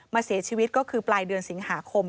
เสียชีวิตก็คือปลายเดือนสิงหาคม